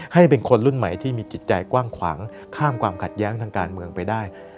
ให้เป็นคนรุ่นใหม่ที่มีจิตใจกว้างขวางข้ามความขัดแย้งทางการเมืองไปได้